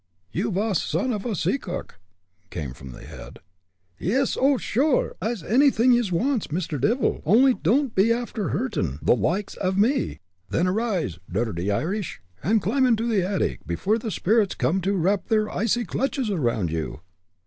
"You vas von son off a sea cook!" came from the head. "Yis och, sure I'se anything yez wants, Mr. Divil! only don't be afther hurtin' the loikes av me!" "Then arise, dirdty Irish, and climb into the attic, before the spirits come to wrap their icy clutches around you!"